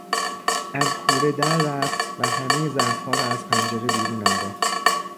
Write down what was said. از کوره در رفت و همه ظرفها را از پنجره بیرون انداخت.